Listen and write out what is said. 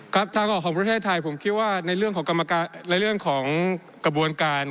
ครับทางออกของประเทศไทยผมคิดว่าในเรื่องของกรรมการ